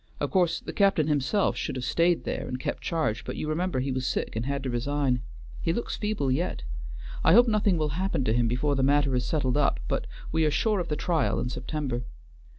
Of course the captain himself should have stayed there and kept charge, but you remember he was sick and had to resign. He looks feeble yet. I hope nothing will happen to him before the matter is settled up, but we are sure of the trial in September."